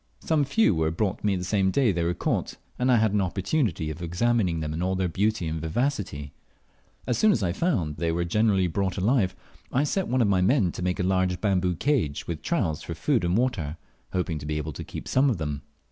Some few were brought me the same day they were caught, and I had an opportunity of examining them in all their beauty and vivacity. As soon as I found they were generally brought alive, I set one of my men to make a large bamboo cage with troughs for food and water, hoping to be able to keep some of them.